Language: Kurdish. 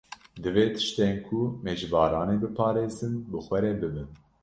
Divê tiştên ku me ji baranê biparêzin bi xwe re bibin.